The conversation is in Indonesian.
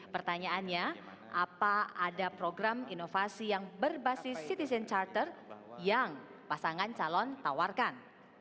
pertanyaannya apa ada program inovasi yang berbasis citizen charter yang pasangan calon tawarkan